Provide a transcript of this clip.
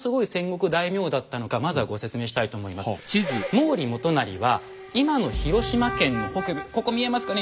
毛利元就は今の広島県の北部ここ見えますかね。